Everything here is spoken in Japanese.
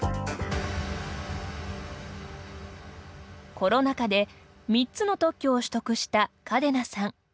コロナ禍で、３つの特許を取得した嘉手納さん。